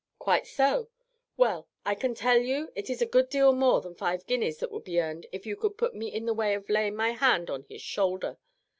"Quite so; well, I can tell you it is a good deal more than five guineas that would be earned if you could put me in the way of laying my hand on his shoulder.